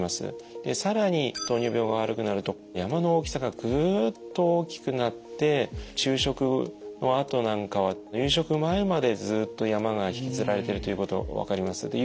で更に糖尿病が悪くなると山の大きさがグッと大きくなって昼食のあとなんかは夕食前までずっと山が引きずられてるということ分かります。